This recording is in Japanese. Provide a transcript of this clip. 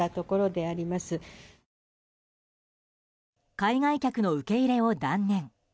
海外客の受け入れを断念。